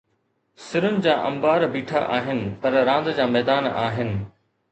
سرن جا انبار بيٺا آهن، پر راند جا ميدان آهن.